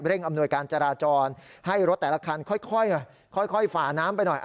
อำนวยการจราจรให้รถแต่ละคันค่อยฝ่าน้ำไปหน่อย